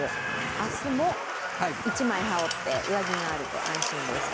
明日も一枚羽織って、上着があると安心です。